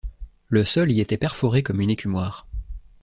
Le sol y était perforé comme une écumoire.